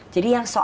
jadi yang soal apa